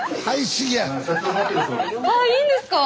あっいいんですか？